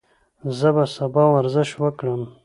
زه به سبا ورزش وکړم.